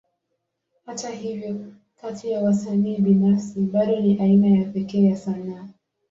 Hata hivyo, kati ya wasanii binafsi, bado ni aina ya pekee ya sanaa.